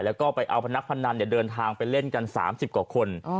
แล้วก็ไปเอาพนักพนันเดินทางไปเล่นกัน๓๐กว่าคน